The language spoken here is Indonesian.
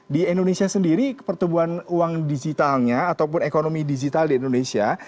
di indonesia sendiri pertumbuhan uang digitalnya ataupun ekonomi digital di indonesia